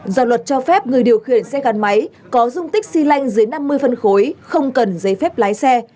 do luật cho phép người điều khiển xe gắn máy có dung tích xy lanh dưới năm mươi phân khối không cần giấy phép lái xe